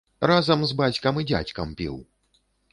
Разам з бацькам і дзядзькам піў.